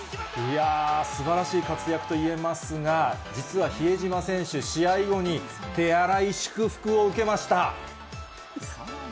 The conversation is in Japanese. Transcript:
すばらしい活躍といえますが、実は比江島選手、試合後に、手荒い祝福を受けました。